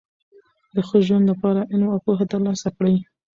د ښه ژوند له پاره علم او پوهه ترلاسه کړئ!